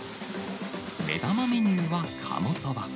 目玉メニューは鴨そば。